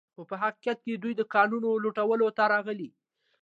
خو په حقیقت کې دوی د کانونو لوټولو ته راغلي